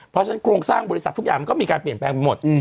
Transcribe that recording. เพราะฉะนั้นโครงสร้างบริษัททุกอย่างมันก็มีการเปลี่ยนแปลงไปหมด